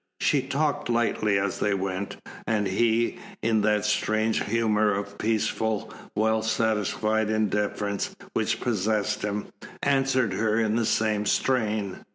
She talked lightly as they went, and he, in that strange humour of peaceful, well satisfied indifference which possessed him, answered her in the same strain.